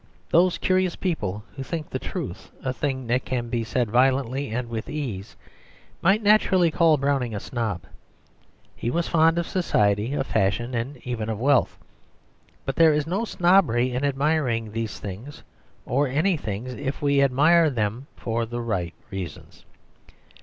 Those curious people who think the truth a thing that can be said violently and with ease, might naturally call Browning a snob. He was fond of society, of fashion and even of wealth: but there is no snobbery in admiring these things or any things if we admire them for the right reasons.